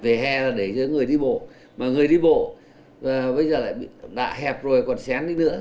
về hè là để cho người đi bộ mà người đi bộ bây giờ lại bị đạ hẹp rồi còn xén nữa